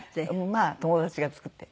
まあ友達が作って。